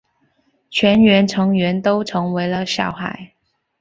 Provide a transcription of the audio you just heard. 全部成员都成为了小孩。